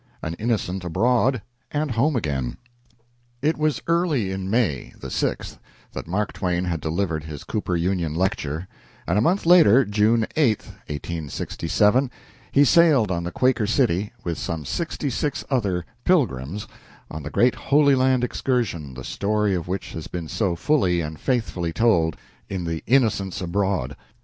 AN INNOCENT ABROAD, AND HOME AGAIN It was early in May the 6th that Mark Twain had delivered his Cooper Union lecture, and a month later, June 8, 1867, he sailed on the "Quaker City," with some sixty six other "pilgrims," on the great Holy Land excursion, the story of which has been so fully and faithfully told in "The Innocent Abroad."